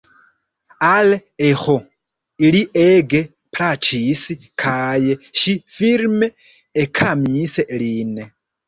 Al Eĥo li ege plaĉis kaj ŝi firme ekamis lin.